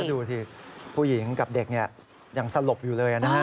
ก็ดูที่ผู้หญิงกับเด็กเนี่ยยังสลบอยู่เลยอะนะฮะ